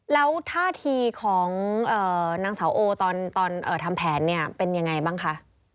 แล้วท่าทีของนางสาวโอตอนทำแผนเนี่ยเป็นยังไงบ้างคะ